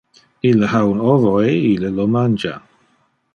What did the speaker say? Ille ha un ovo e ille lo mangia.